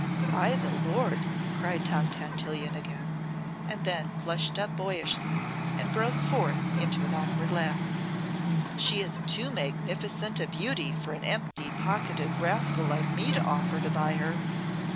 "By the Lord!" cried Tom Tantillion again, and then flushed up boyishly and broke forth into an awkward laugh. "She is too magnificent a beauty for an empty pocketed rascal like me to offer to buy her.